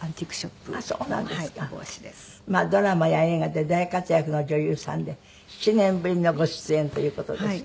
まあドラマや映画で大活躍の女優さんで７年ぶりのご出演という事ですけども。